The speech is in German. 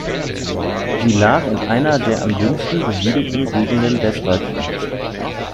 Sie lag in einer der am dünnsten besiedelten Gegenden Westdeutschlands.